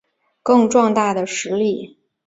更壮大的实力